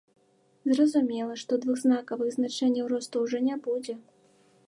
Зразумела, што двухзнакавых значэнняў росту ўжо не будзе.